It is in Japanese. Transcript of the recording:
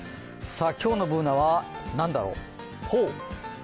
今日のＢｏｏｎａは何だろう？